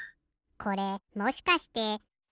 これもしかして。